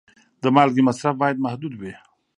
د مالګې مصرف باید محدود وي.